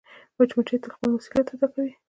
مچمچۍ تل خپل مسؤولیت ادا کوي